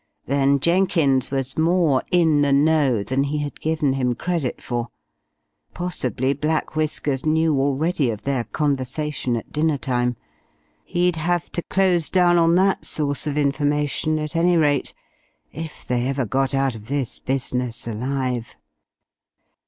Then Jenkins was more "in the know" than he had given him credit for. Possibly Black Whiskers knew already of their conversation at dinner time. He'd have to close down on that source of information, at any rate if they ever got out of this business alive.